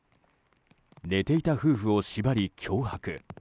寝ていた夫婦を縛り、脅迫。